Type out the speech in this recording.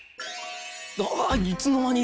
ああっいつの間に！